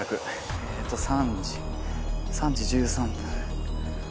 ３時３時１３分。